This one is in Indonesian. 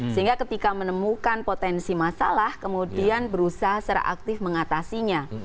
sehingga ketika menemukan potensi masalah kemudian berusaha secara aktif mengatasinya